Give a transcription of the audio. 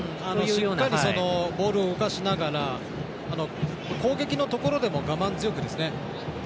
しっかりボールを浮かせながら攻撃のところでも我慢強くですね